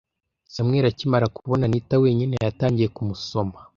Samuel akimara kubona Anita wenyine, yatangiye kumusoma.